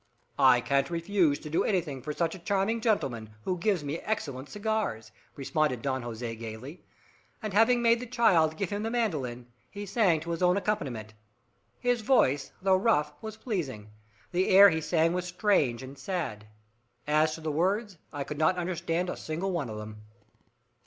"I can't refuse to do anything for such a charming gentleman, who gives me such excellent cigars," responded Don Jose gaily, and having made the child give him the mandolin, he sang to his own accompaniment. His voice, though rough, was pleasing, the air he sang was strange and sad. As to the words, I could not understand a single one of them.